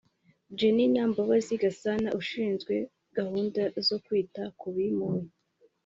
Jenina Mbabazi Gasana ushinzwe gahunda zo kwita ku bimuwe